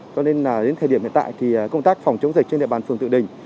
cho nên đến thời điểm hiện tại thì công tác phòng chống dịch trên địa bàn phường tự đình